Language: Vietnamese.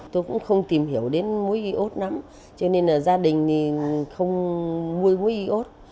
tôi cũng không tìm hiểu đến mối y ốt lắm cho nên là gia đình thì không mua mối y ốt